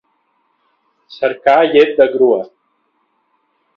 Cercar llet de grua.